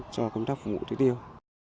cho công tác phục vụ tưới tiêu